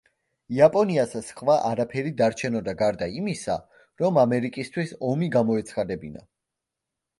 იაპონიას სხვა არაფერი დარჩენოდა გარდა იმისა, რომ ამერიკისთვის ომი გამოეცხადებინა.